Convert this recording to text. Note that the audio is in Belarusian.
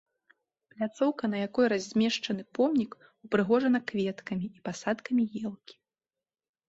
Пляцоўка, на якой размешчаны помнік, упрыгожана кветкамі і пасадкамі елкі.